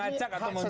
ini hak seseorang